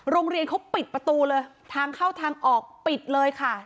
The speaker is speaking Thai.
โรงเรียนเขาปิดประตูเลยทางเข้าทางออกปิดเลยค่ะ